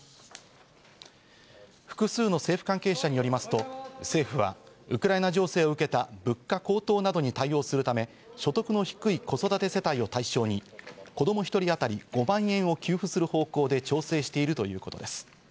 複数の政府関係者によりますと、政府はウクライナ情勢を受けた物価高騰などに対応するため、所得の低い子育て世帯を対象に子供１人当たり５万円を給付する方向で調整しているということです。